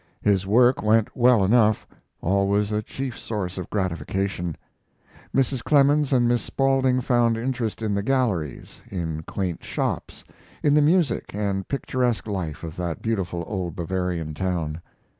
His work went well enough always a chief source of gratification. Mrs. Clemens and Miss Spaulding found interest in the galleries, in quaint shops, in the music and picturesque life of that beautiful old Bavarian town.